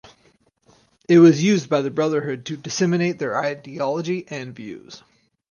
It was used by the Brotherhood to disseminate their ideology and views.